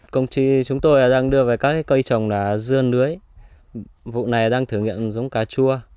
công ty chúng tôi đang đưa về các cây trồng dưa lưới vụ này đang thử nghiệm giống cà chua